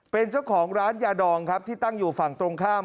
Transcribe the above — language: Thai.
เป็นเจ้าของร้านยาดองครับที่ตั้งอยู่ฝั่งตรงข้าม